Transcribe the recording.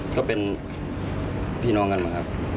เขาเป็นพี่น้องกันมาครับ